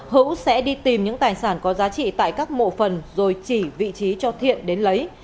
hữu sẽ đi tìm những tài sản có giá trị tại các mộ phần rồi chỉ vị trí cho thiện đến lấy